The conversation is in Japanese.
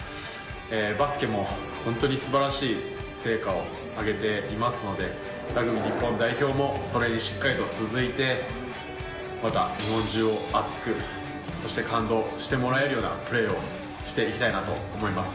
バスケも本当にすばらしい成果を上げていますので、ラグビー日本代表も、それにしっかりと続いて、また日本中を熱く、そして感動してもらえるようなプレーをしていきたいなと思います。